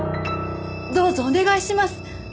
どうぞお願いします！